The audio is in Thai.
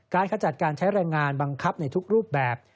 ขจัดการใช้แรงงานบังคับในทุกรูปแบบ